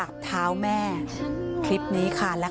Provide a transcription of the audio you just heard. คุณผู้ชมค่ะคุณผู้ชมค่ะ